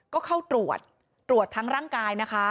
ก็เข้าตรวจตรวจทั้งร่างกายนะคะ